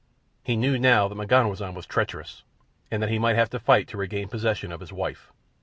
He knew now that M'ganwazam was treacherous and that he might have to fight to regain possession of his wife.